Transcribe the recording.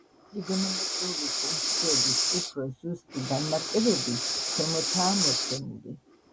ტრიგონომეტრიული ფუნქციების უფრო ზუსტი განმარტებები ქვემოთაა მოცემული.